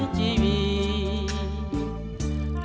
คุ้มใจเต็มที่ทำหัวใจผีปวดร้าว